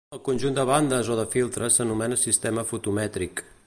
El conjunt de bandes o de filtres s'anomena sistema fotomètric.